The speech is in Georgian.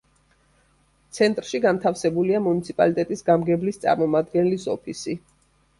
ცენტრში განთავსებულია მუნიციპალიტეტის გამგებლის წარმომადგენლის ოფისი.